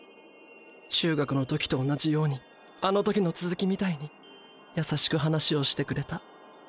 中学の時と同じようにあの時のつづきみたいにやさしく話をしてくれた。